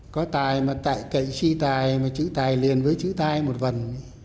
có tài mà tạy cậy si tài mà chữ tài liền với chữ tài một vần